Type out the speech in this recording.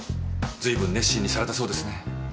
随分熱心にされたそうですね。